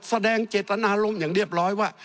แสดงเจตนารมณ์อย่างเรียบร้อยว่า